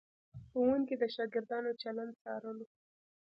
ښوونکي د شاګردانو چلند څارلو.